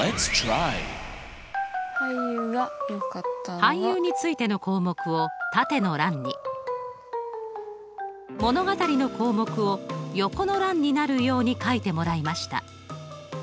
俳優についての項目を縦の欄に物語の項目を横の欄になるように書いてもらいました。